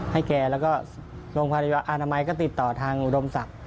ให้แกแล้วก็โรงพยาบาลอนามัยก็ติดต่อทางอุดมศักดิ์